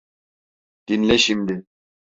Dinle şimdi.